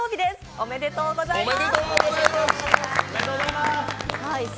おめでとうございます。